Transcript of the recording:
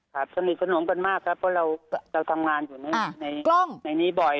ครับสนิทขนมกันมากครับเพราะเราทำงานอยู่ในนี้บ่อย